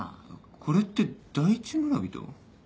これって第一村人？